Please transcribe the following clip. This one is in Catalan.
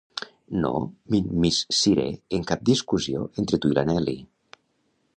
No m'immisciré en cap discussió entre tu i la Nelly.